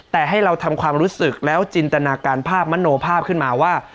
แต่ให้เราทำความรู้สึกแล้วจินตนาการภาพมโนภาพขึ้นมาว่า